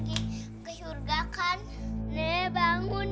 nenek kamu sudah meninggal